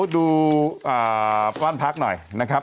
ดูบ้านพักหน่อยนะครับ